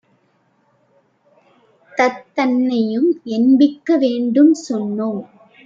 தத்தனையும் எண்பிக்க வேண்டும் சொன்னோம்!.